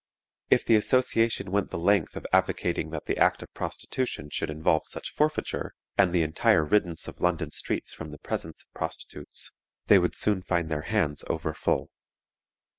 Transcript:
If the association went the length of advocating that the act of prostitution should involve such forfeiture, and the entire riddance of London streets from the presence of prostitutes, they would soon find their hands over full.